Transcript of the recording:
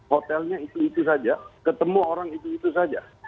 hotelnya itu itu saja ketemu orang itu itu saja